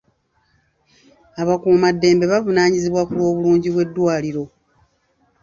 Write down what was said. Abakuumaddembe bavunaanyizibwa ku lw'obulungi bw'eddwaliro.